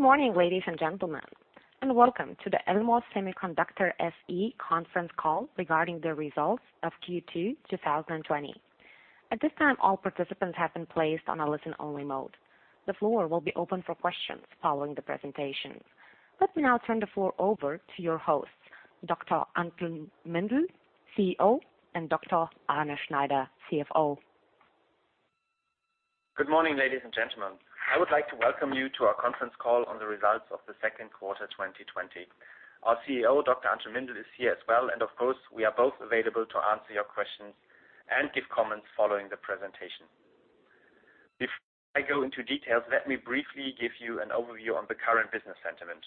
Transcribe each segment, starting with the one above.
Good morning, ladies and gentlemen, and welcome to the Elmos Semiconductor SE conference call regarding the results of Q2 2020. At this time, all participants have been placed on a listen-only mode. The floor will be open for questions following the presentation. Let me now turn the floor over to your hosts, Dr. Anton Mindl, CEO, and Dr. Arne Schneider, CFO. Good morning, ladies and gentlemen. I would like to welcome you to our conference call on the results of the second quarter 2020. Our CEO, Dr. Anton Mindl, is here as well, and of course, we are both available to answer your questions and give comments following the presentation. Before I go into details, let me briefly give you an overview on the current business sentiment.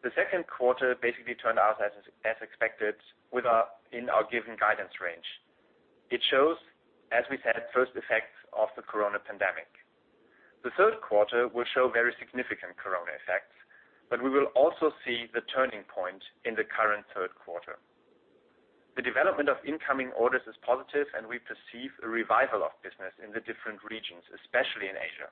The second quarter basically turned out as expected in our given guidance range. It shows, as we said, first effects of the corona pandemic. The third quarter will show very significant corona effects, but we will also see the turning point in the current third quarter. The development of incoming orders is positive, and we perceive a revival of business in the different regions, especially in Asia.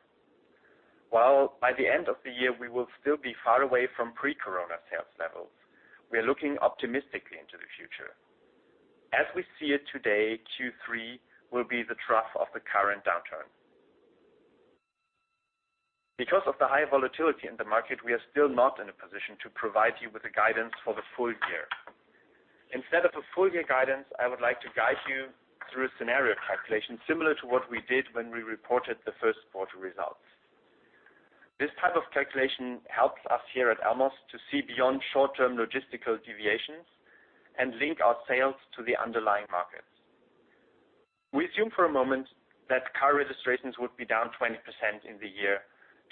While by the end of the year we will still be far away from pre-corona sales levels, we are looking optimistically into the future. As we see it today, Q3 will be the trough of the current downturn. Because of the high volatility in the market, we are still not in a position to provide you with the guidance for the full year. Instead of a full-year guidance, I would like to guide you through a scenario calculation similar to what we did when we reported the first quarter results. This type of calculation helps us here at Elmos to see beyond short-term logistical deviations and link our sales to the underlying markets. We assume for a moment that car registrations would be down 20% in the year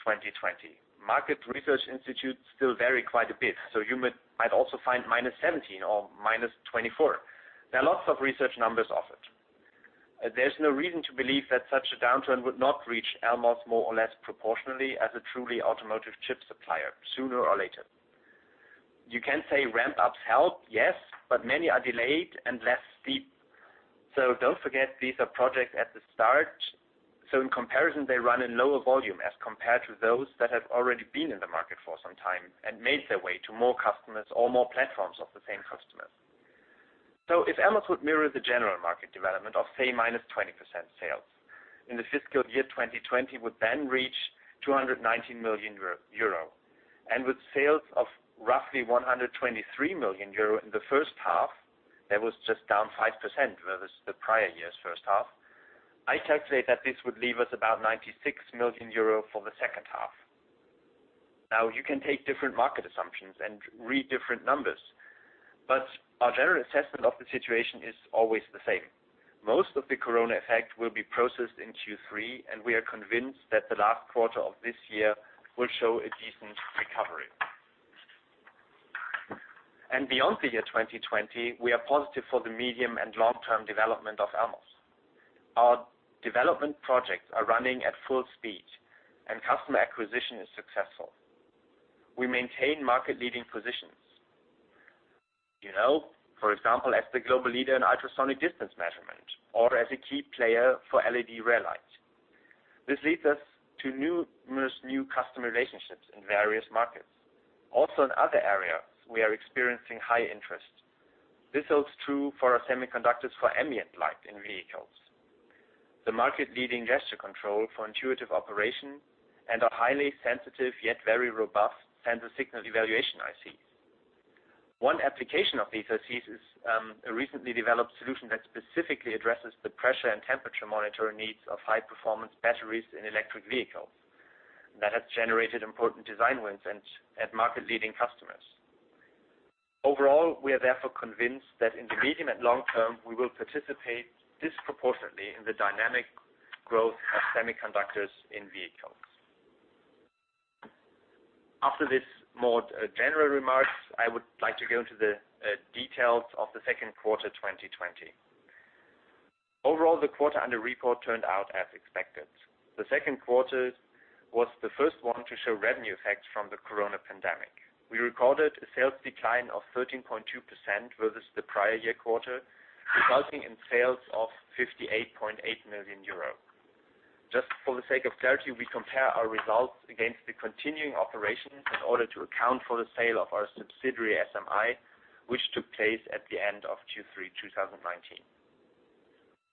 2020. Market research institutes still vary quite a bit, so you might also find minus 17 or minus 24. There are lots of research numbers offered. There's no reason to believe that such a downturn would not reach Elmos more or less proportionally as a truly automotive chip supplier, sooner or later. You can say ramp-ups help, yes. Many are delayed and less steep. Don't forget, these are projects at the start. In comparison, they run in lower volume as compared to those that have already been in the market for some time and made their way to more customers or more platforms of the same customers. If Elmos would mirror the general market development of, say, minus 20% sales, in the fiscal year 2020 would then reach 219 million euro. With sales of roughly 123 million euro in the first half, that was just down 5% versus the prior year's first half. I calculate that this would leave us about 96 million euro for the second half. Now, you can take different market assumptions and read different numbers, but our general assessment of the situation is always the same. Most of the corona effect will be processed in Q3. We are convinced that the last quarter of this year will show a decent recovery. Beyond the year 2020, we are positive for the medium and long-term development of Elmos. Our development projects are running at full speed and customer acquisition is successful. We maintain market-leading positions. You know, for example, as the global leader in ultrasonic distance measurement or as a key player for LED rear light. This leads us to numerous new customer relationships in various markets. Also in other areas, we are experiencing high interest. This holds true for our semiconductors for ambient light in vehicles. The market-leading gesture control for intuitive operation and our highly sensitive, yet very robust sensor signal evaluation ICs. One application of these ICs is a recently developed solution that specifically addresses the pressure and temperature monitoring needs of high-performance batteries in electric vehicles. That has generated important design wins at market-leading customers. Overall, we are therefore convinced that in the medium and long term, we will participate disproportionately in the dynamic growth of semiconductors in vehicles. After these more general remarks, I would like to go into the details of the second quarter 2020. Overall, the quarter under report turned out as expected. The second quarter was the first one to show revenue effects from the corona pandemic. We recorded a sales decline of 13.2% versus the prior year quarter, resulting in sales of 58.8 million euro. Just for the sake of clarity, we compare our results against the continuing operations in order to account for the sale of our subsidiary, SMI, which took place at the end of Q3 2019.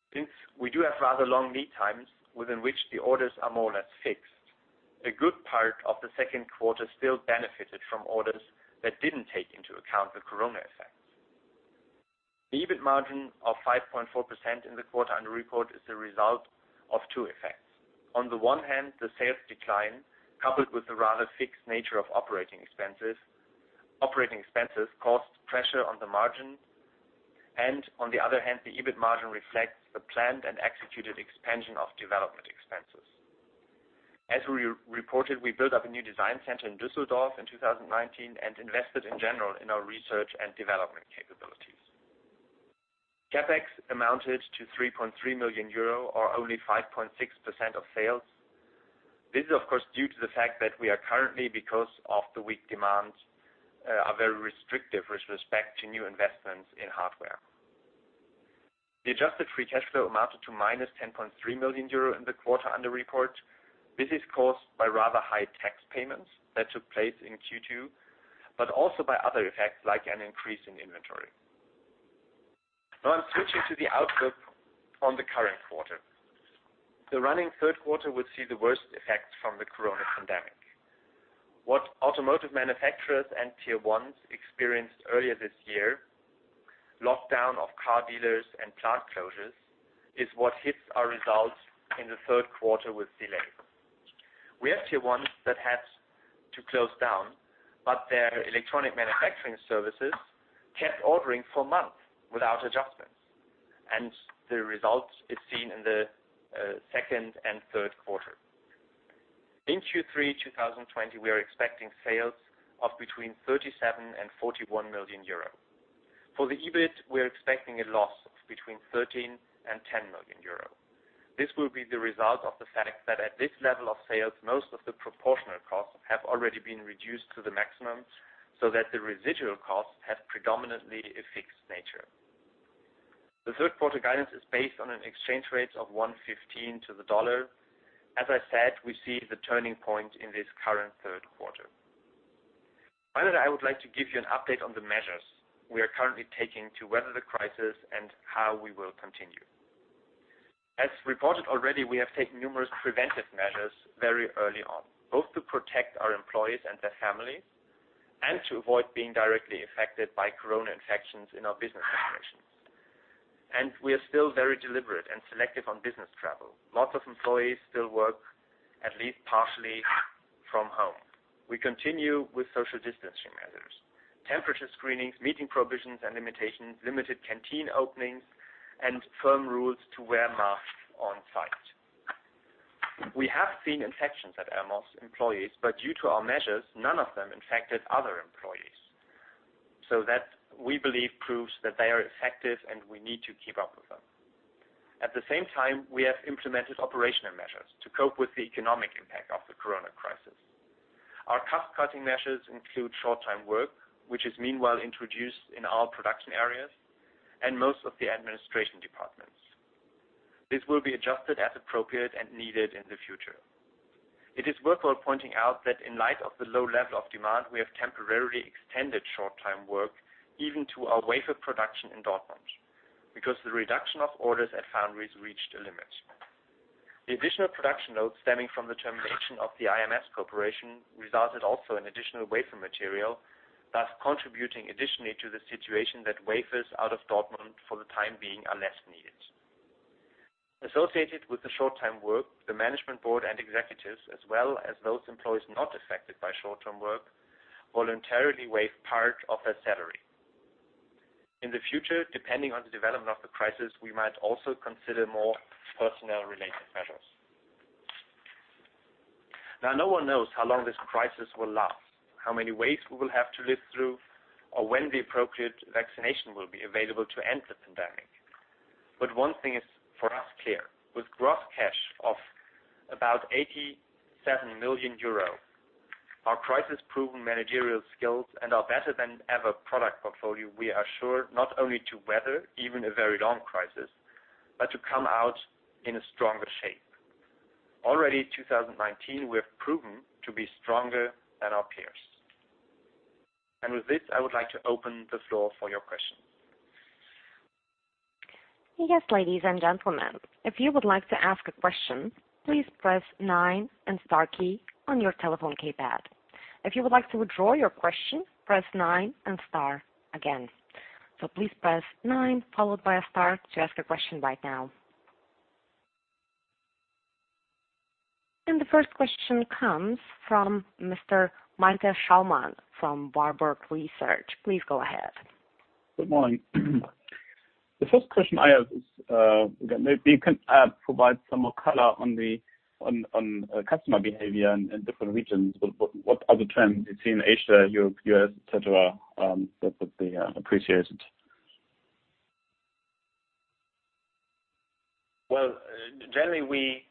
Since we do have rather long lead times within which the orders are more or less fixed, a good part of the second quarter still benefited from orders that didn't take into account the corona effects. The EBIT margin of 5.4% in the quarter under report is the result of two effects. On the one hand, the sales decline, coupled with the rather fixed nature of operating expenses, caused pressure on the margin, and on the other hand, the EBIT margin reflects the planned and executed expansion of development expenses. As we reported, we built up a new design center in Düsseldorf in 2019 and invested in general in our R&D capabilities. CapEx amounted to €3.3 million, or only 5.6% of sales. This is, of course, due to the fact that we are currently, because of the weak demands, are very restrictive with respect to new investments in hardware. The adjusted free cash flow amounted to minus €10.3 million in the quarter under report. This is caused by rather high tax payments that took place in Q2, but also by other effects like an increase in inventory. Now I'm switching to the outlook on the current quarter. The running third quarter will see the worst effect from the COVID pandemic. What automotive manufacturers and tier 1 experienced earlier this year, lockdown of car dealers and plant closures, is what hits our results in the third quarter with delay. We have tier ones that had to close down, but their electronic manufacturing services kept ordering for months without adjustments, and the result is seen in the second and third quarter. In Q3 2020, we are expecting sales of between 37 million EUR and 41 million euro. For the EBIT, we are expecting a loss of between 13 million EUR and 10 million euro. This will be the result of the fact that at this level of sales, most of the proportional costs have already been reduced to the maximum so that the residual costs have predominantly a fixed nature. The third quarter guidance is based on an exchange rate of 115 to the USD. As I said, we see the turning point in this current third quarter. I would like to give you an update on the measures we are currently taking to weather the crisis and how we will continue. As reported already, we have taken numerous preventive measures very early on, both to protect our employees and their families and to avoid being directly affected by COVID infections in our business operations. We are still very deliberate and selective on business travel. Lots of employees still work at least partially from home. We continue with social distancing measures, temperature screenings, meeting provisions and limitations, limited canteen openings, and firm rules to wear masks on site. We have seen infections at Elmos employees, due to our measures, none of them infected other employees. That, we believe, proves that they are effective and we need to keep up with them. At the same time, we have implemented operational measures to cope with the economic impact of the COVID crisis. Our cost-cutting measures include short-time work, which is meanwhile introduced in all production areas and most of the administration departments. This will be adjusted as appropriate and needed in the future. It is worthwhile pointing out that in light of the low level of demand, we have temporarily extended short-time work even to our wafer production in Dortmund, because the reduction of orders at foundries reached a limit. The additional production load stemming from the termination of the IMS cooperation resulted also in additional wafer material, thus contributing additionally to the situation that wafers out of Dortmund for the time being are less needed. Associated with the short-time work, the management board and executives, as well as those employees not affected by short-term work, voluntarily waive part of their salary. In the future, depending on the development of the crisis, we might also consider more personnel-related measures. No one knows how long this crisis will last, how many waves we will have to live through, or when the appropriate vaccination will be available to end the pandemic. One thing is for us clear. With gross cash of about €87 million, our crisis-proven managerial skills and our better-than-ever product portfolio, we are sure not only to weather even a very long crisis, but to come out in a stronger shape. Already 2019, we have proven to be stronger than our peers. With this, I would like to open the floor for your questions. Yes, ladies and gentlemen. If you would like to ask a question, please press nine and star key on your telephone keypad. If you would like to withdraw your question, press nine and star again. Please press nine followed by a star to ask a question right now. The first question comes from Mr. Malte Schaumann from Warburg Research. Please go ahead. Good morning. The first question I have is, maybe you can provide some more color on customer behavior in different regions. What are the trends between Asia, Europe, U.S., et cetera? That would be appreciated. Well, generally,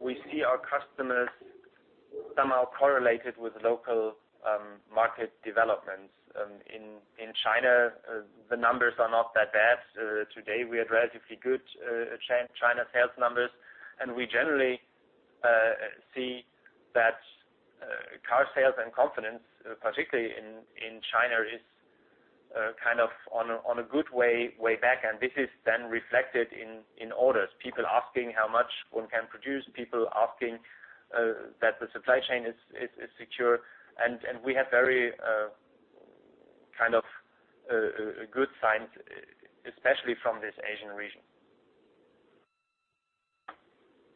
we see our customers somehow correlated with local market developments. In China, the numbers are not that bad. Today, we had relatively good China sales numbers. We generally see that car sales and confidence, particularly in China, is on a good way back. This is then reflected in orders. People asking how much one can produce. People asking that the supply chain is secure. We have very good signs, especially from this Asian region.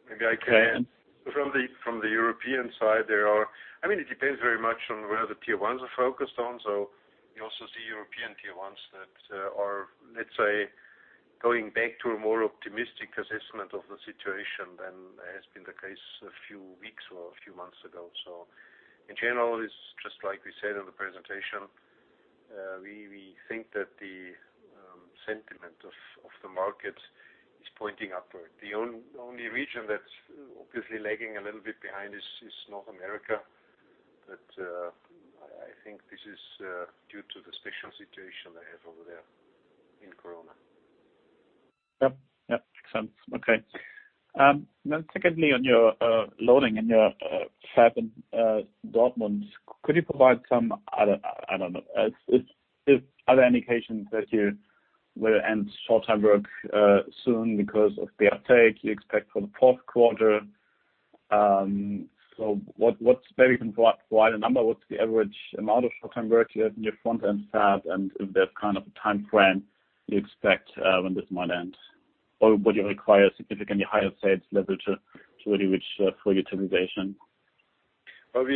Maybe I can. From the European side, it depends very much on where the tier ones are focused on. You also see European tier ones that are, let's say, going back to a more optimistic assessment of the situation than has been the case a few weeks or a few months ago. In general, it's just like we said in the presentation, we think that the sentiment of the market is pointing upward. The only region that's obviously lagging a little bit behind is North America. I think this is due to the special situation they have over there in corona. Yep. Makes sense. Okay. Secondly, on your loading in your fab in Dortmund, could you provide some other indications that you will end short-time work soon because of the uptake you expect for the fourth quarter? Maybe you can provide a number. What's the average amount of short-time work you have in your front-end fab, and if there's kind of a time frame you expect when this might end, or would you require significantly higher sales level to really reach full utilization? What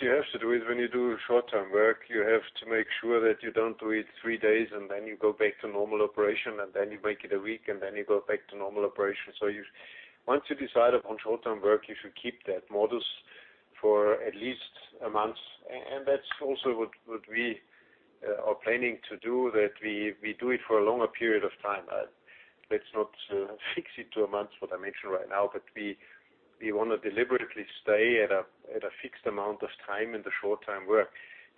you have to do is when you do short-time work, you have to make sure that you don't do it three days and then you go back to normal operation, and then you make it a week, and then you go back to normal operation. Once you decide upon short-time work, you should keep that modus for at least a month. That's also what we are planning to do, that we do it for a longer period of time. Let's not fix it to a month, what I mentioned right now, but we want to deliberately stay at a fixed amount of time in the short-time work.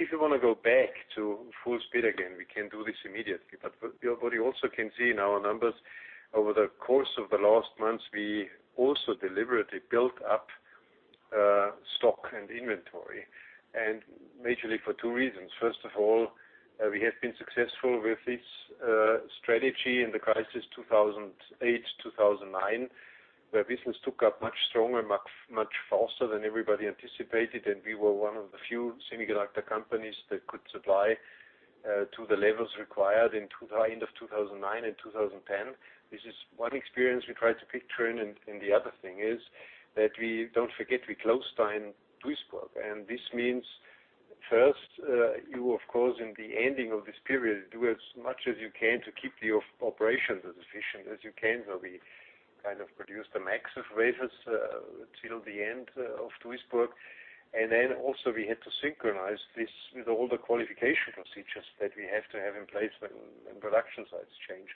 If you want to go back to full speed again, we can do this immediately. You also can see in our numbers over the course of the last months, we also deliberately built up stock and inventory, majorly for two reasons. First of all, we have been successful with this strategy in the crisis 2008, 2009, where business took up much stronger, much faster than everybody anticipated, and we were one of the few semiconductor companies that could supply to the levels required in end of 2009 and 2010. This is one experience we try to picture in. The other thing is that we don't forget we closed down Duisburg. This means first, you of course, in the ending of this period, do as much as you can to keep the operations as efficient as you can. We kind of produced a max of wafers till the end of Duisburg. Also, we had to synchronize this with all the qualification procedures that we have to have in place when production sites change.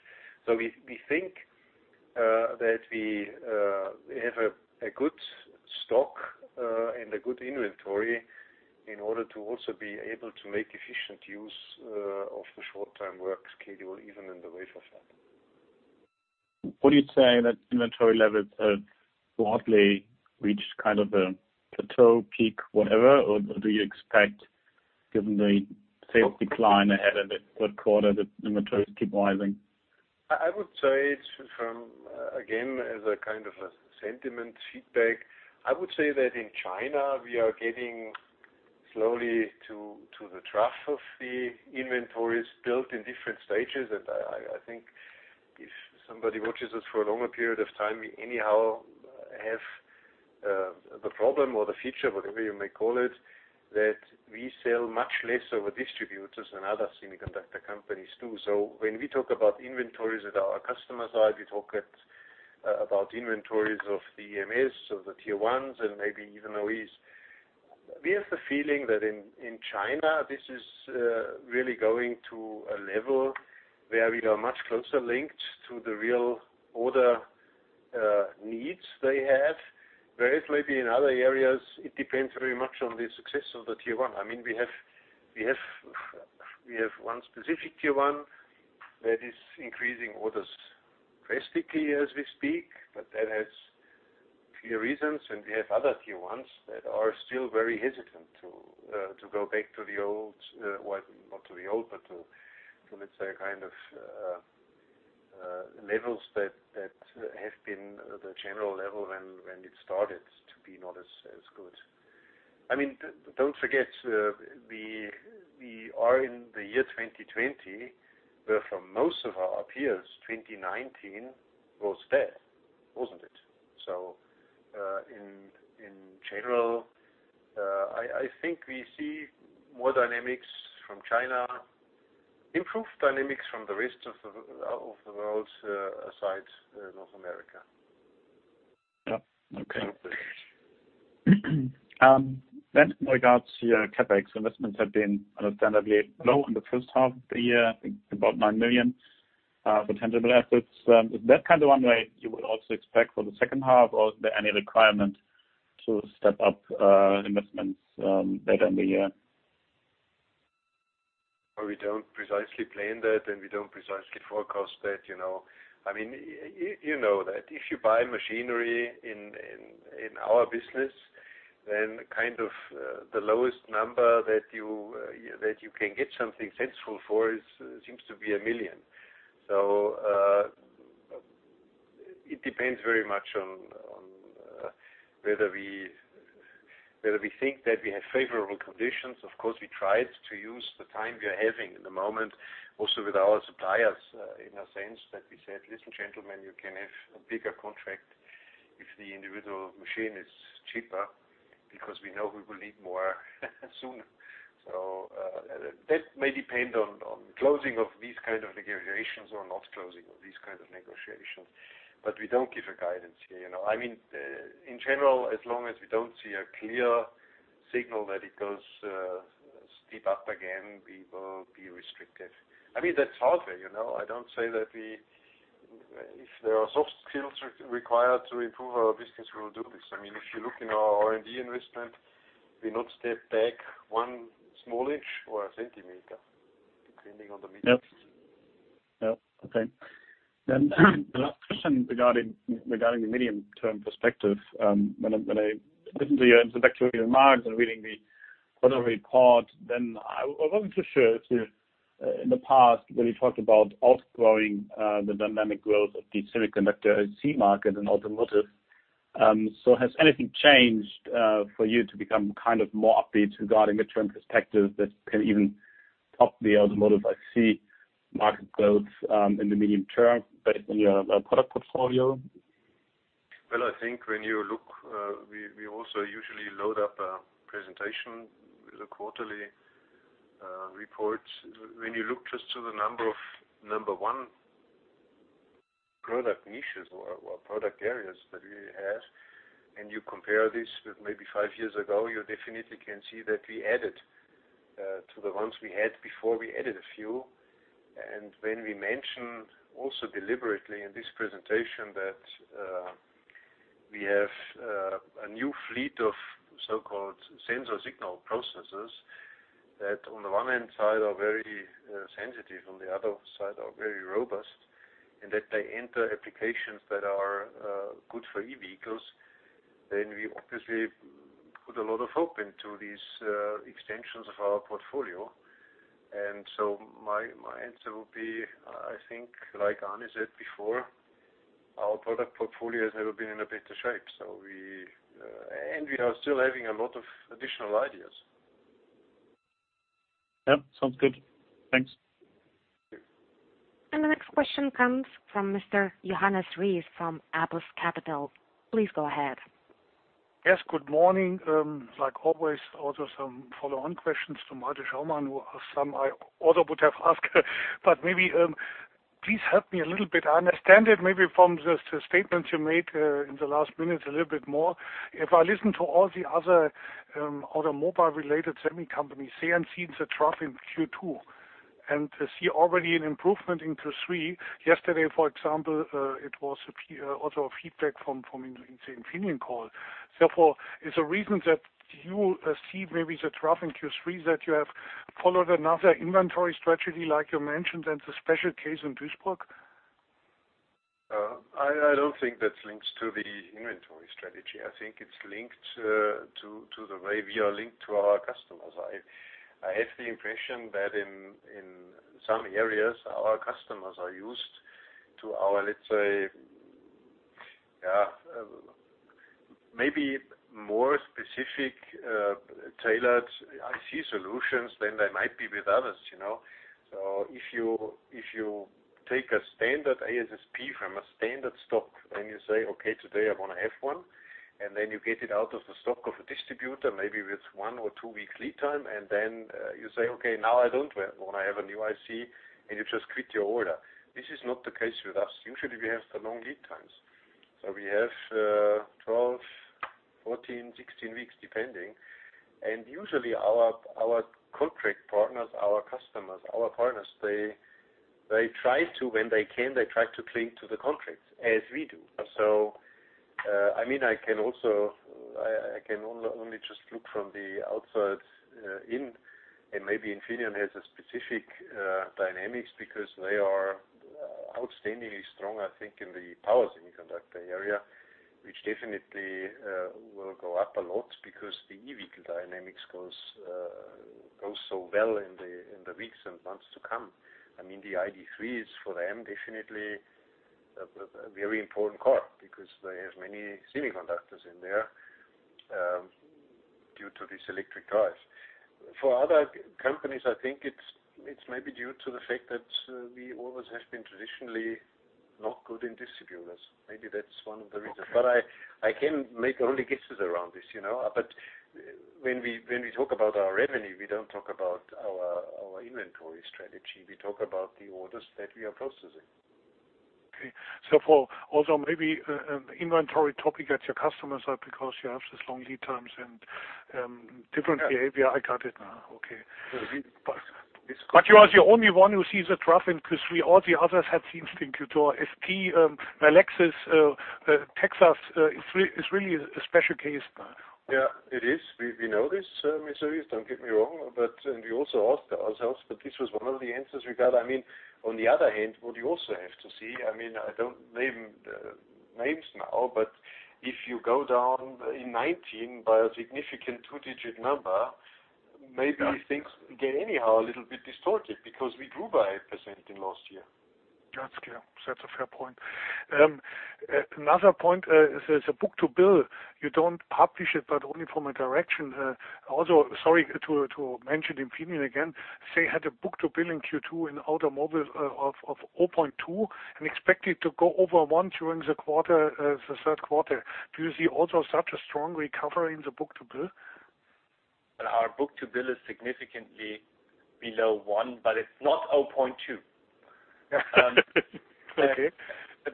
We think that we have a good stock and a good inventory in order to also be able to make efficient use of the short-time work schedule, even in the wafer fab. Would you say that inventory levels have broadly reached kind of a plateau, peak, whatever, or do you expect, given the sales decline ahead in the third quarter, that inventories keep rising? As a kind of a sentiment feedback, I would say that in China we are getting slowly to the trough of the inventories built in different stages. I think if somebody watches us for a longer period of time, we anyhow have the problem or the feature, whatever you may call it, that we sell much less over distributors than other semiconductor companies do. When we talk about inventories at our customer side, we talk about inventories of the EMS, of the Tier 1s and maybe even OEs. We have the feeling that in China, this is really going to a level where we are much closer linked to the real order needs they have. Whereas maybe in other areas, it depends very much on the success of the Tier 1. We have one specific Tier 1 that is increasing orders drastically as we speak. That has clear reasons. We have other Tier 1s that are still very hesitant to go back to the old, well, not to the old, but to the kind of levels that have been the general level when it started to be not as good. Don't forget, we are in the year 2020, where for most of our peers, 2019 was dead, wasn't it? In general, I think we see more dynamics from China, improved dynamics from the rest of the world aside North America. Yeah. Okay. In regards to your CapEx, investments have been understandably low in the first half of the year, I think about 9 million for tangible assets. Is that kind of one way you would also expect for the second half, or is there any requirement to step up investments later in the year? Well, we don't precisely plan that, and we don't precisely forecast that. If you buy machinery in our business, then kind of the lowest number that you can get something sensible for seems to be 1 million. It depends very much on whether we think that we have favorable conditions. Of course, we try to use the time we are having in the moment also with our suppliers, in a sense that we said, "Listen, gentlemen, you can have a bigger contract if the individual machine is cheaper," because we know we will need more sooner. That may depend on closing of these kind of negotiations or not closing of these kind of negotiations, but we don't give a guidance here. In general, as long as we don't see a clear signal that it goes steep up again, we will be restricted. That's healthy. I don't say that if there are soft skills required to improve our business, we will do this. If you look in our R&D investment, we not step back one small inch or a centimeter, depending on the meter. Yep. Okay. The last question regarding the medium-term perspective. When I listen to your introductory remarks and reading the quarter report, then I wasn't so sure if you, in the past, really talked about outgrowing the dynamic growth of the semiconductor IC market and automotive. Has anything changed for you to become more upbeat regarding mid-term perspectives that can even top the automotive IC market growth in the medium term based on your product portfolio? I think when you look, we also usually load up a presentation with a quarterly report. When you look just to the number of number one product niches or product areas that we have, and you compare this with maybe five years ago, you definitely can see that we added to the ones we had before. We added a few. When we mentioned also deliberately in this presentation that we have a new fleet of so-called sensor signal processors, that on the one hand side are very sensitive, on the other side are very robust, and that they enter applications that are good for e-vehicles, then we obviously put a lot of hope into these extensions of our portfolio. My answer will be, I think like Arne said before, our product portfolio has never been in a better shape. We are still having a lot of additional ideas. Yep. Sounds good. Thanks. The next question comes from Mr. Johannes Ries from APUS Capital. Please go ahead. Yes, good morning. Like always, also some follow-on questions to Marius Hermann, who some I also would have asked. Maybe, please help me a little bit. I understand it maybe from the statements you made in the last minutes a little bit more. If I listen to all the other automobile-related semi companies, they have seen the trough in Q2, and they see already an improvement into Q3. Yesterday, for example, it was also a feedback from Infineon call. Is the reason that you see maybe the trough in Q3 is that you have followed another inventory strategy like you mentioned, and it's a special case in Duisburg? I don't think that links to the inventory strategy. I think it's linked to the way we are linked to our customers. I have the impression that in some areas our customers are used to our, let's say, maybe more specific tailored IC solutions than they might be with others. If you take a standard ASSP from a standard stock and you say, "Okay, today I want to have one," and then you get it out of the stock of a distributor, maybe with one or two weeks lead time, and then you say, "Okay, now I don't want to have a new IC," and you just quit your order. This is not the case with us. Usually, we have the long lead times. We have 12, 14, 16 weeks, depending. Usually, our contract partners, our customers, our partners, when they can, they try to cling to the contracts as we do. I can only just look from the outside in, and maybe Infineon has a specific dynamics because they are outstandingly strong, I think, in the power semiconductor area, which definitely will go up a lot because the e-vehicle dynamics goes so well in the weeks and months to come. The ID.3 is for them definitely a very important car because they have many semiconductors in there due to these electric drives. For other companies, I think it's maybe due to the fact that we always have been traditionally not good in distributors. Maybe that's one of the reasons. I can make only guesses around this. When we talk about our revenue, we don't talk about our inventory strategy. We talk about the orders that we are processing. Okay. For also maybe inventory topic at your customers are because you have such long lead times and different behavior. I got it now. Okay. It's- You are the only one who sees a trough in Q3. All the others had seen it in Q2. ST, Melexis, Texas, it's really a special case. Yeah, it is. We know this, Mr. Ries, don't get me wrong. We also asked ourselves, but this was one of the answers we got. On the other hand, what you also have to see, I don't name the names now, but if you go down in 2019 by a significant two-digit number, maybe things get anyhow a little bit distorted because we grew by 8% in last year. That's clear. That's a fair point. Another point is the book-to-bill. You don't publish it, but only from a direction. Sorry to mention Infineon again. They had a book-to-bill in Q2 in automobile of 0.2 and expect it to go over one during the third quarter. Do you see also such a strong recovery in the book-to-bill? Our book-to-bill is significantly below one, but it's not 0.2. Okay.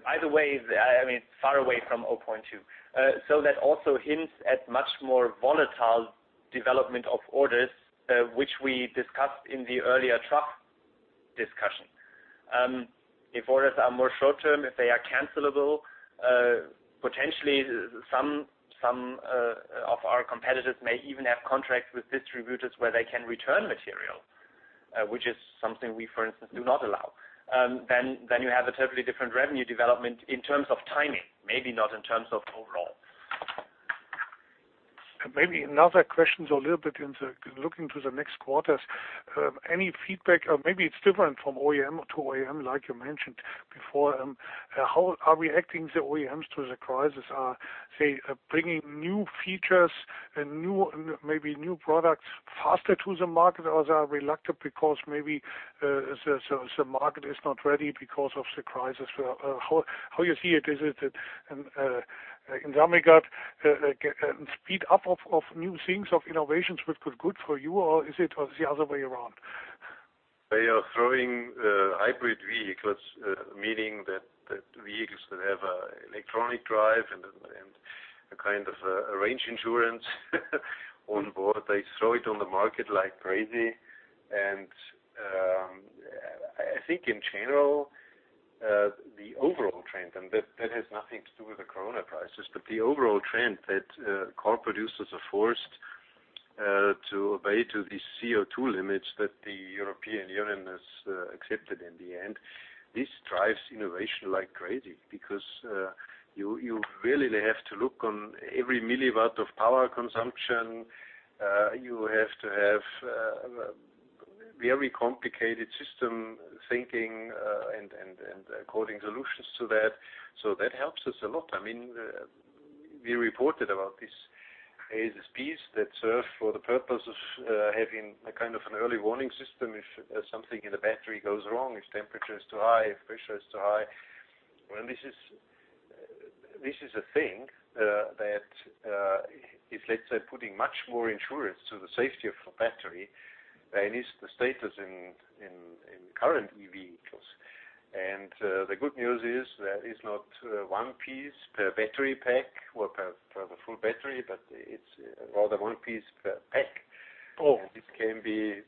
By the way, it's far away from 0.2. That also hints at much more volatile development of orders, which we discussed in the earlier truck discussion. If orders are more short-term, if they are cancelable, potentially some of our competitors may even have contracts with distributors where they can return material, which is something we, for instance, do not allow. You have a totally different revenue development in terms of timing, maybe not in terms of overall. Maybe another question a little bit into looking to the next quarters. Any feedback, or maybe it is different from OEM to OEM, like you mentioned before. How are reacting the OEMs to the crisis? Are they bringing new features and maybe new products faster to the market, or they are reluctant because maybe the market is not ready because of the crisis? How you see it, in some regard, speed up of new things, of innovations, which was good for you, or is it the other way around? They are throwing hybrid vehicles, meaning that vehicles that have an electronic drive and a kind of a range insurance on board. They throw it on the market like crazy. I think in general, the overall trend, and that has nothing to do with the corona crisis, but the overall trend that car producers are forced to obey to the CO2 limits that the European Union has accepted in the end. This drives innovation like crazy because you really have to look on every milliwatt of power consumption. You have to have a very complicated system thinking and coding solutions to that. That helps us a lot. We reported about this ASSP that serves for the purpose of having a kind of an early warning system if something in the battery goes wrong, if temperature is too high, if pressure is too high. Well, this is a thing that is, let's say, putting much more insurance to the safety of a battery than is the status in current EV vehicles. The good news is that it's not one piece per battery pack or per the full battery, but it's rather one piece per pack. Oh. This can be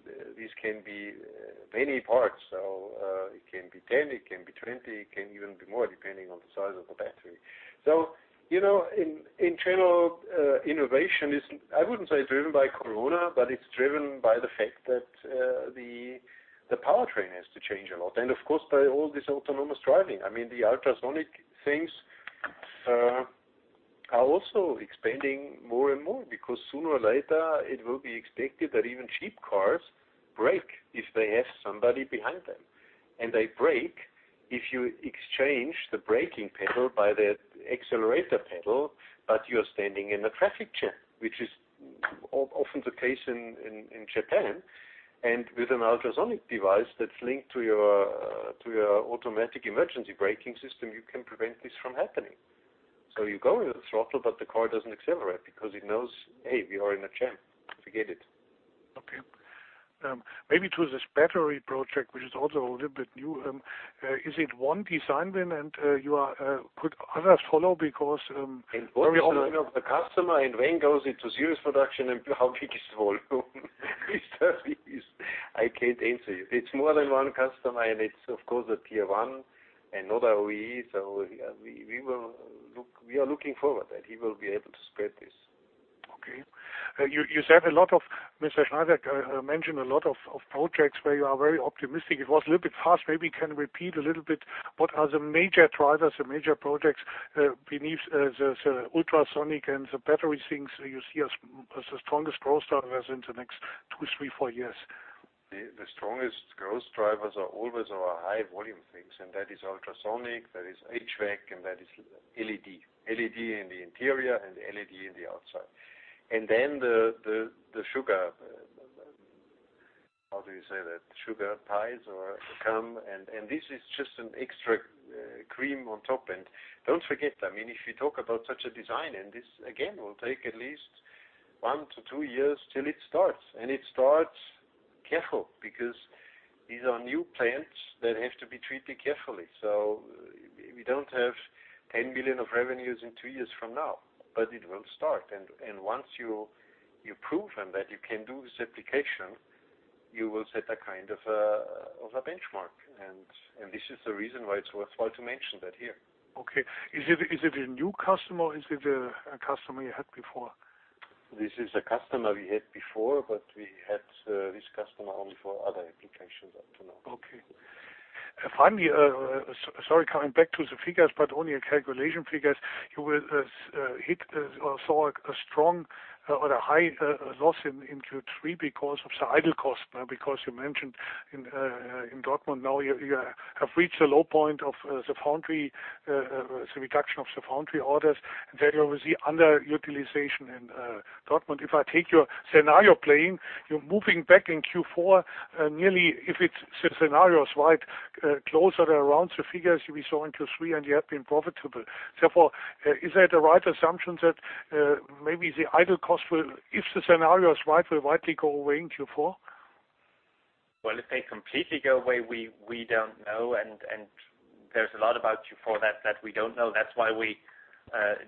many parts. It can be 10, it can be 20, it can even be more depending on the size of the battery. In general, innovation is, I wouldn't say it's driven by COVID, but it's driven by the fact that the powertrain has to change a lot. Of course, by all this autonomous driving. The ultrasonic things are also expanding more and more because sooner or later it will be expected that even cheap cars brake if they have somebody behind them. They brake if you exchange the braking pedal by the accelerator pedal, but you're standing in a traffic jam, which is often the case in Japan. With an ultrasonic device that's linked to your automatic emergency braking system, you can prevent this from happening. You go in the throttle, but the car doesn't accelerate because it knows, hey, we are in a jam. Forget it. Okay. Maybe to this battery project, which is also a little bit new. Is it one design then and could others follow because? It depends on the customer and when goes into serious production and how big is the volume. I can't answer you. It's more than one customer, and it's of course a tier one and not OE, so we are looking forward that he will be able to spread this. Okay. Mr. Schneider mentioned a lot of projects where you are very optimistic. It was a little bit fast. Maybe you can repeat a little bit what are the major drivers, the major projects beneath the ultrasonic and the battery things you see as the strongest growth drivers in the next two, three, four years? The strongest growth drivers are always our high volume things, that is ultrasonic, that is HVAC, and that is LED. LED in the interior and LED in the outside. This is just an extra cream on top. Don't forget, if you talk about such a design, and this again will take at least one to two years till it starts. It starts careful because these are new plants that have to be treated carefully. We don't have 10 million of revenues in two years from now, but it will start. Once you've proven that you can do this application, you will set a kind of a benchmark. This is the reason why it's worthwhile to mention that here. Okay. Is it a new customer or is it a customer you had before? This is a customer we had before, but we had this customer only for other applications up to now. Okay. Finally, sorry, coming back to the figures, but only a calculation figures. You will hit or saw a strong or a high loss in Q3 because of the idle cost now because you mentioned in Dortmund now you have reached a low point of the foundry, the reduction of the foundry orders. You will see underutilization in Dortmund. If I take your scenario playing, you're moving back in Q4 nearly, if its scenario is right, closer around the figures we saw in Q3, and you have been profitable. Is that a right assumption that maybe the idle cost will, if the scenario is right, will likely go away in Q4? Well, if they completely go away, we don't know, and there's a lot about Q4 that we don't know. That's why we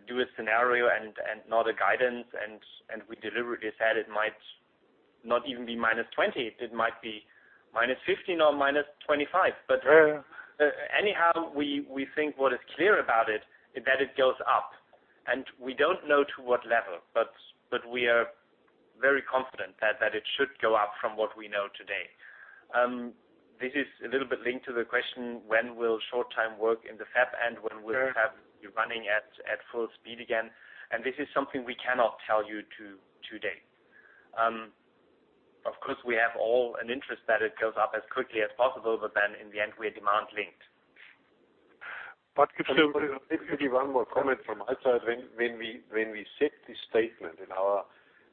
do a scenario and not a guidance, and we deliberately said it might not even be -20. It might be -15 or -25. Yeah. Anyhow, we think what is clear about it is that it goes up, and we don't know to what level, but we are very confident that it should go up from what we know today. This is a little bit linked to the question, when will short-time work in the fab end? When will the fab be running at full speed again? This is something we cannot tell you today. Of course, we have all an interest that it goes up as quickly as possible, in the end, we are demand linked. Could still. Maybe one more comment from my side. When we set this statement in our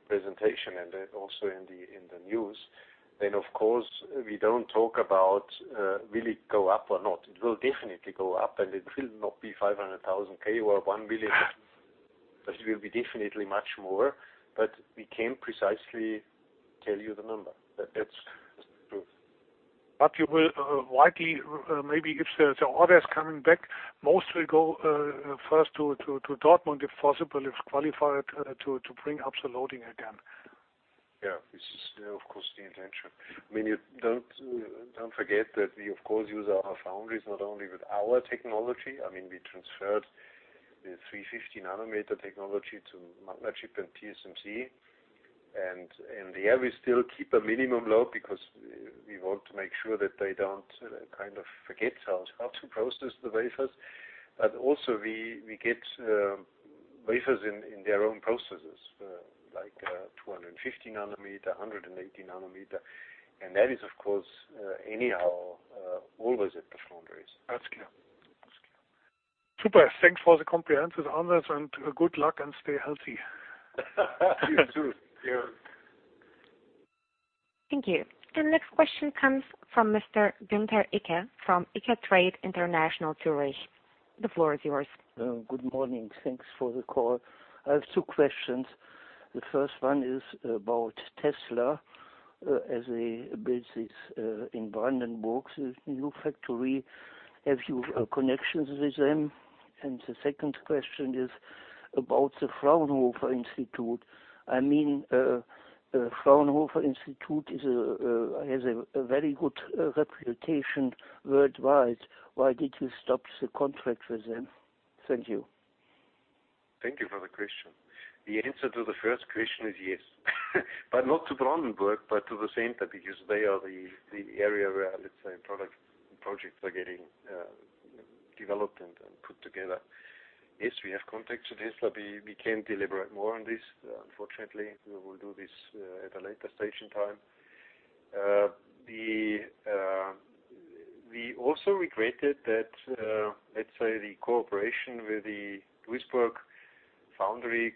presentation and then also in the news, then of course, we don't talk about will it go up or not. It will definitely go up, and it will not be 500,000 or 1 billion. It will be definitely much more, but we can't precisely tell you the number. That's the truth. You will likely, maybe if the orders coming back, most will go first to Dortmund, if possible, if qualified, to bring up the loading again. Yeah. This is, of course, the intention. Don't forget that we, of course, use our foundries not only with our technology. We transferred the 350 nanometer technology to MagnaChip and TSMC, and there we still keep a minimum load because we want to make sure that they don't forget how to process the wafers. Also, we get wafers in their own processes, like 250 nanometer, 180 nanometer, and that is, of course, anyhow, always at the foundries. That's clear. Super. Thanks for the comprehensive answers and good luck and stay healthy. You, too. Yeah. Thank you. The next question comes from Mr. Gunther Icke from Icke Trade International, Zurich. The floor is yours. Good morning. Thanks for the call. I have two questions. The first one is about Tesla as they build this in Brandenburg, this new factory. Have you connections with them? The second question is about the Fraunhofer Institute. Fraunhofer Institute has a very good reputation worldwide. Why did you stop the contract with them? Thank you. Thank you for the question. The answer to the first question is yes, but not to Brandenburg, but to the center because they are the area where, let's say, product projects are getting developed and put together. We have contacts with Tesla. We can't deliberate more on this, unfortunately. We will do this at a later station time. We also regretted that the cooperation with the Duisburg foundry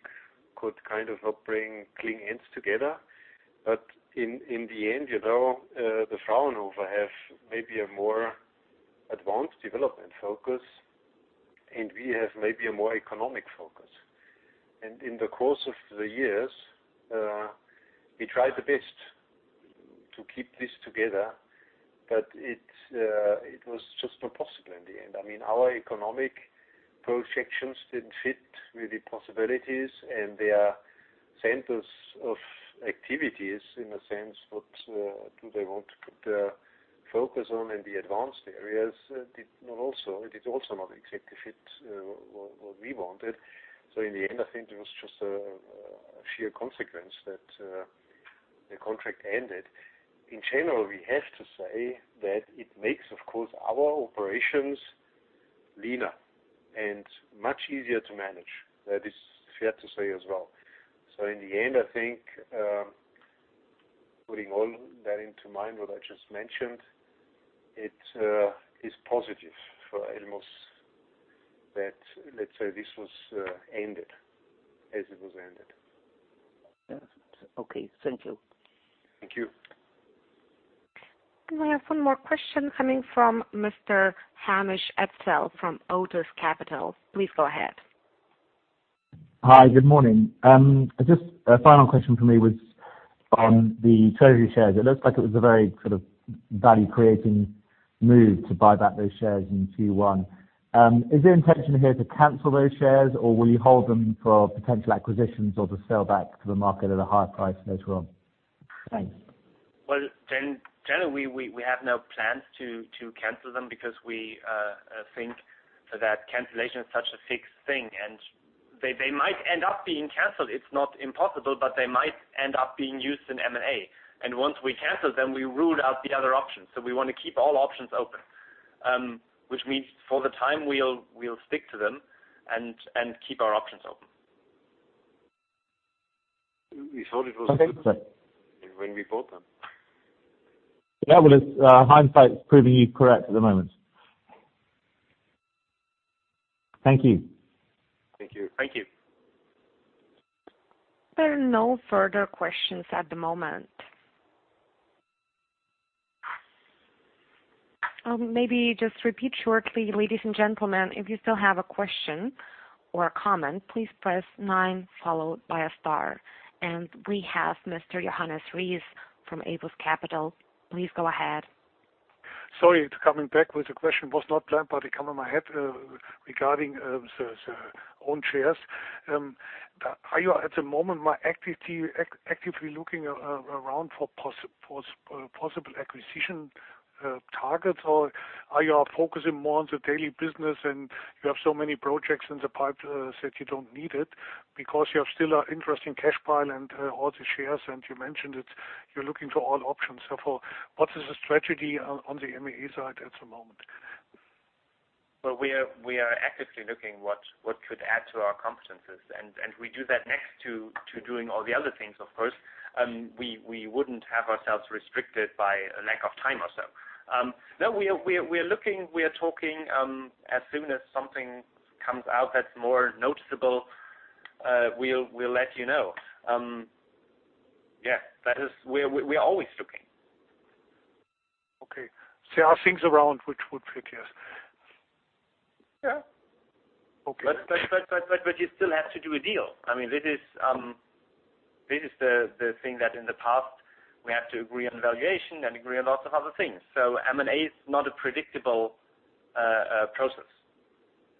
could not bring clean ends together. In the end, the Fraunhofer have maybe a more advanced development focus, and we have maybe a more economic focus. In the course of the years, we tried the best to keep this together, it was just not possible in the end. Our economic projections didn't fit with the possibilities, and their centers of activities, in a sense, what do they want to put their focus on in the advanced areas, it also not exactly fit what we wanted. In the end, I think it was just a sheer consequence that the contract ended. In general, we have to say that it makes, of course, our operations leaner and much easier to manage. That is fair to say as well. In the end, I think, putting all that into mind what I just mentioned, it is positive for Elmos that this was ended as it was ended. Yes. Okay. Thank you. Thank you. We have one more question coming from Mr. Hamish Edsell from Otus Capital. Please go ahead. Hi. Good morning. Just a final question from me was on the treasury shares. It looks like it was a very value-creating move to buy back those shares in Q1. Is the intention here to cancel those shares, or will you hold them for potential acquisitions or to sell back to the market at a higher price later on? Thanks. Well, generally, we have no plans to cancel them because we think that cancellation is such a fixed thing. They might end up being canceled. It's not impossible, but they might end up being used in M&A. Once we cancel them, we rule out the other options. We want to keep all options open, which means for the time we'll stick to them and keep our options open. We thought it was good- Okay when we bought them. Yeah. Well, hindsight's proving you correct at the moment. Thank you. Thank you. Thank you. There are no further questions at the moment. Maybe just repeat shortly, ladies and gentlemen, if you still have a question or a comment, please press nine followed by a star. We have Mr. Johannes Ries from APUS Capital. Please go ahead. Sorry, coming back with the question was not planned, but it came in my head regarding the own shares. Are you at the moment more actively looking around for possible acquisition targets, or are you focusing more on the daily business and you have so many projects in the pipe that you don't need it? You have still an interesting cash pile and all the shares, and you mentioned it, you're looking for all options. What is the strategy on the M&A side at the moment? Well, we are actively looking what could add to our competencies, and we do that next to doing all the other things, of course. We wouldn't have ourselves restricted by a lack of time or so. No, we are looking, we are talking. As soon as something comes out that's more noticeable, we'll let you know. Yeah, we are always looking. Okay. There are things around which would fit, yes? Yeah. Okay. You still have to do a deal. This is the thing that in the past we have to agree on valuation and agree on lots of other things. M&A is not a predictable process.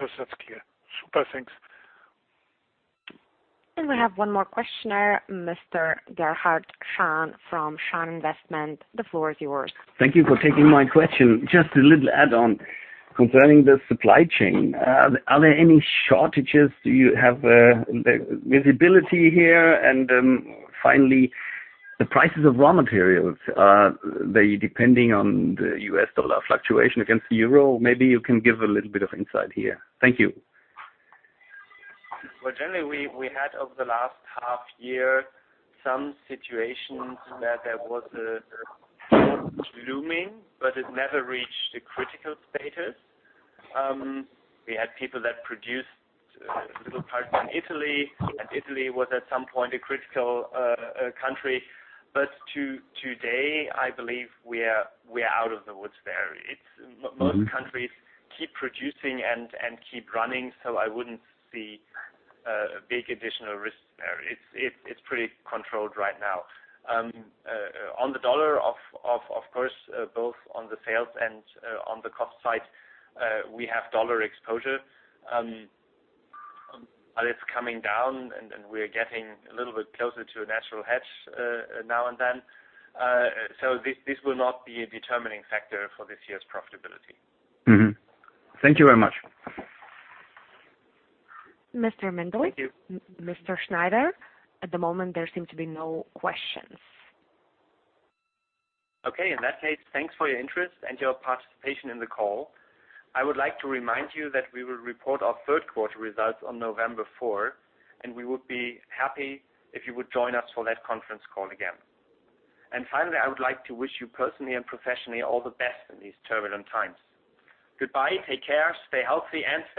Yes, that's clear. Super, thanks. We have one more questioner, Mr. Gerhard Schaan from Schaan Investment. The floor is yours. Thank you for taking my question. Just a little add-on concerning the supply chain. Are there any shortages? Do you have the visibility here? Finally, the prices of raw materials, are they depending on the U.S. dollar fluctuation against the Euro? Maybe you can give a little bit of insight here. Thank you. Well, generally, we had over the last half year, some situations where there was a shortage looming, but it never reached a critical status. We had people that produced little parts in Italy, and Italy was at some point a critical country. Today, I believe we are out of the woods there. Most countries keep producing and keep running, so I wouldn't see a big additional risk there. It's pretty controlled right now. On the dollar, of course, both on the sales and on the cost side, we have dollar exposure. It's coming down and we're getting a little bit closer to a natural hedge now and then. This will not be a determining factor for this year's profitability. Mm-hmm. Thank you very much. Mr. Mindl. Thank you. Mr. Schneider. At the moment, there seem to be no questions. Okay. In that case, thanks for your interest and your participation in the call. I would like to remind you that we will report our third quarter results on November 4. We would be happy if you would join us for that conference call again. Finally, I would like to wish you personally and professionally all the best in these turbulent times. Goodbye, take care, stay healthy, and stay safe.